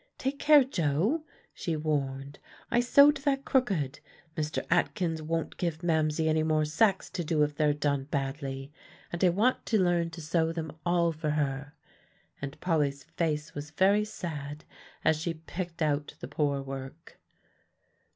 "Take care, Joe," she warned; "I sewed that crooked. Mr. Atkins won't give Mamsie any more sacks to do if they're done badly. And I want to learn to sew them all for her." And Polly's face was very sad as she picked out the poor work.